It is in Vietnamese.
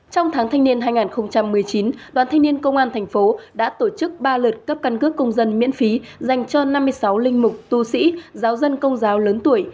trong tháng thanh niên hai nghìn một mươi chín đoàn thanh niên công an thành phố đã tổ chức ba lượt cấp căn cước công dân miễn phí dành cho năm mươi sáu linh mục tu sĩ giáo dân công giáo lớn tuổi